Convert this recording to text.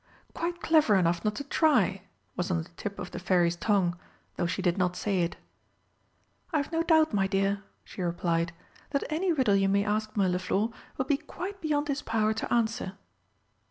"Quite clever enough not to try!" was on the tip of the Fairy's tongue, though she did not say it. "I've no doubt, my dear," she replied, "that any riddle you may ask Mirliflor will be quite beyond his power to answer."